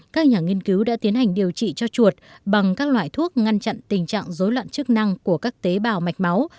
các nhà nghiên cứu đã tiến hành điều trị cho chuột bằng các loại thuốc ngăn chặn tình trạng dối loạn chức năng của các tế bào mạch máu